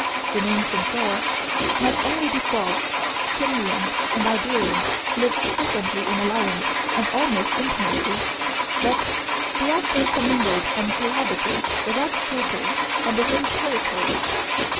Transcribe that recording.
In ancient Gaul not only did Gauls, Kymrians, and Iberians live frequently in alliance and almost intimacy, but they actually commingled and cohabited without scruple on the same territory.